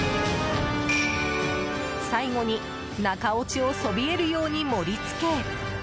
最後に中落ちをそびえるように盛り付け。